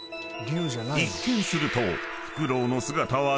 ［一見すると］